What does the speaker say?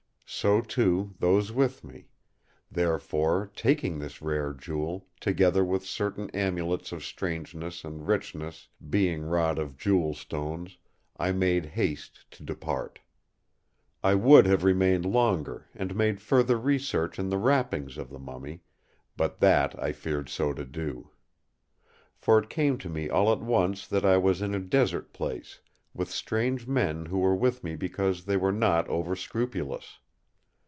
So, too, those with me; therefore, taking this rare jewel, together with certain amulets of strangeness and richness being wrought of jewel stones, I made haste to depart. I would have remained longer, and made further research in the wrappings of the mummy, but that I feared so to do. For it came to me all at once that I was in a desert place, with strange men who were with me because they were not over scrupulous.